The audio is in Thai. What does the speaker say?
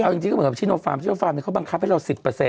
เอาจริงก็เหมือนกับชิโนฟาร์มชิโนฟาร์มเขาบังคับให้เรา๑๐